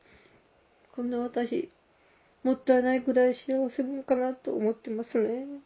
こんな私もったいないくらい幸せ者かなと思ってますね。